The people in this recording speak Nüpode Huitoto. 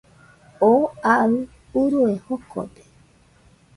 Oo aɨ urue jokode